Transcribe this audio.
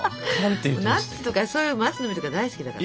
ナッツとか松の実とか大好きだから。